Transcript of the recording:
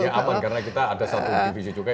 ya aman karena kita ada satu divisi juga